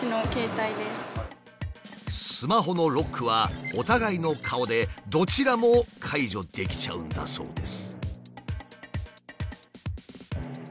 スマホのロックはお互いの顔でどちらも解除できちゃうんだそうです。